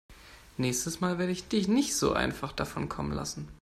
Nächstes Mal werde ich dich nicht so einfach davonkommen lassen.